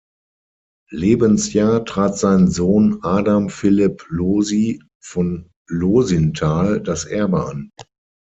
Lebensjahr trat sein Sohn Adam Philipp Losy von Losinthal das Erbe an.